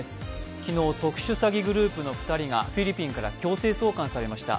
昨日、特殊詐欺グループの２人がフィリピンから強制送還されました。